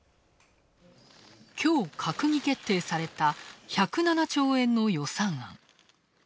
きょう閣議決定された１０７兆円の予算案。